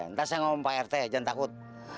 ntar saya ngomong pak rt jangan takut